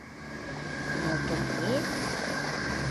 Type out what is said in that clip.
Но тыге?